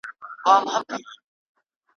چي د زرکي پر دانه باندي نظر سو ,